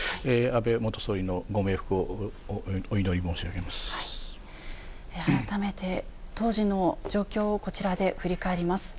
安倍元総理のご冥福をお祈り申し改めて当時の状況をこちらで振り返ります。